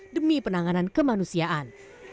demi penanganan kemanusiaan